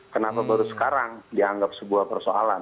kenapa baru sekarang dianggap sebuah persoalan